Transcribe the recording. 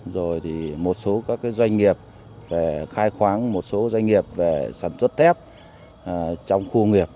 rồi thì một số các doanh nghiệp về khai khoáng một số doanh nghiệp về sản xuất tép trong khu nghiệp